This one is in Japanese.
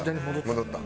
戻った。